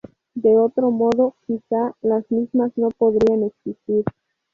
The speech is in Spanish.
De otro modo, quizá, las mismas no podrían existir.